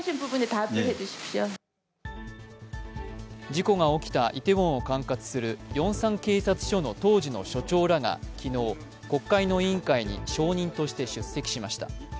事故が起きたイテウォンを管轄するヨンサン警察署の当時の署長らが昨日、国会の委員会に証人として出席しました。